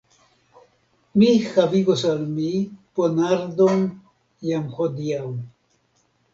Mi havigos al mi ponardon jam hodiaŭ.